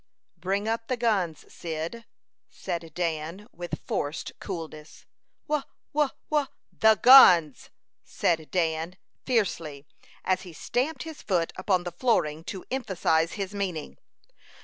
"Bring up the guns, Cyd," said Dan, with forced coolness. "Wha wha wha " "The guns!" said Dan, fiercely, as he stamped his foot upon the flooring to emphasize his meaning.